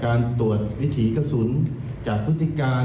ผู้บังคับการตำรวจบูธรจังหวัดเพชรบูนบอกว่าจากการสอบสวนนะครับ